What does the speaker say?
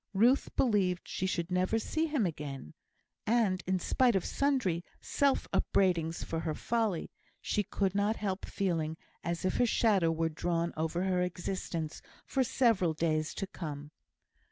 Ruth believed she should never see him again; and, in spite of sundry self upbraidings for her folly, she could not help feeling as if a shadow were drawn over her existence for several days to come.